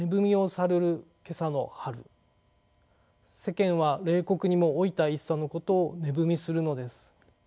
世間は冷酷にも老いた一茶のことを値踏みするのです。